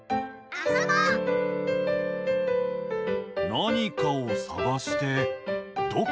なにかをさがしてどこ？